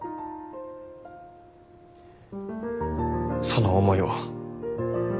その思いを。